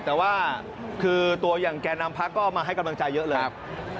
แต่ว่าคือตัวอย่างแก่นำพักก็มาให้กำลังใจเยอะเลยครับ